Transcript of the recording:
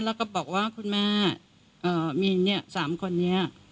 แล้วก็บอกว่าคุณแม่มี๓คนนี้